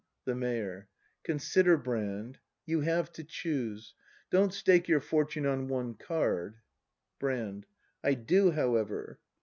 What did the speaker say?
The Mayor. Consider, Brand, you have to choose! Don't stake your fortune on one card. Brand. I do, however!